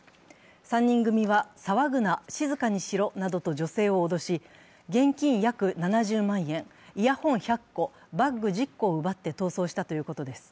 ３人組は、騒ぐな、静かにしろなどと女性を脅し、現金約７０万円、イヤホン１００個、バッグ１０個を奪って逃走したということです。